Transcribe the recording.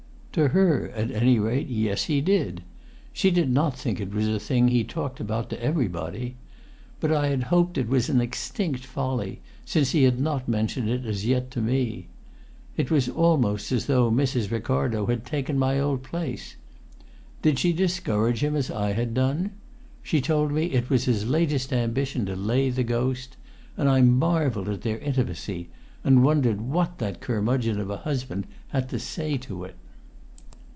To her, at any rate, yes, he did! She did not think it was a thing he talked about to everybody. But I had hoped it was an extinct folly, since he had not mentioned it as yet to me. It was almost as though Mrs. Ricardo had taken my old place. Did she discourage him as I had done? She told me it was his latest ambition to lay the ghost. And I marvelled at their intimacy, and wondered what that curmudgeon of a husband had to say to it!